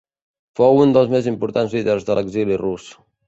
Fou un dels més importants líders de l'exili rus.